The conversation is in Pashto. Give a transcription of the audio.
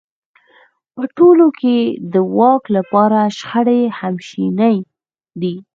په ټولنو کې د واک لپاره شخړې همېشنۍ دي.